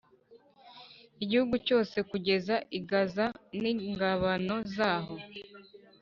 igihugu cyose kugeza i Gaza n ingabano zaho